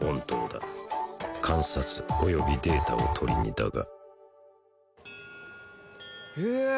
本当だ観察およびデータを取りにだがへえ